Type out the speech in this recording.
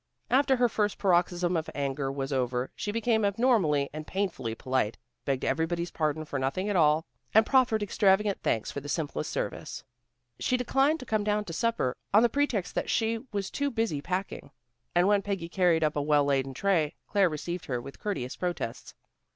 After her first paroxysm of anger was over, she became abnormally and painfully polite, begged everybody's pardon for nothing at all, and proffered extravagant thanks for the simplest service. She declined to come down to supper on the pretext that she was too busy packing. And when Peggy carried up a well laden tray, Claire received her with courteous protests.